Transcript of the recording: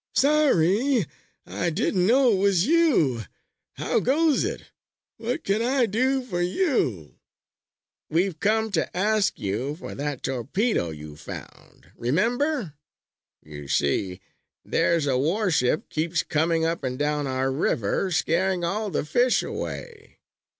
"Sorry I didn't know it was you! How goes it? What can I do for you?" "We've come to ask you for that torpedo you found, remember? You see, there's a warship keeps coming up and down our river scaring all the fish away.